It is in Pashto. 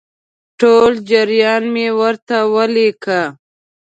ټول جریان مې ورته ولیکه.